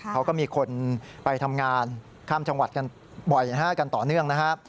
เขาก็มีคนไปทำงานข้ามจังหวัดกันบ่อยนะฮะกันต่อเนื่องนะครับ